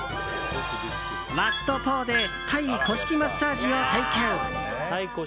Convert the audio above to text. ワット・ポーでタイ古式マッサージを体験！